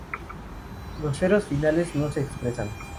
Los ceros finales no se expresan.